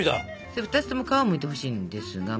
それ２つとも皮をむいてほしいんですが。